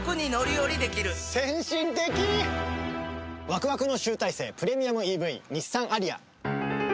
ワクワクの集大成プレミアムＥＶ日産アリア。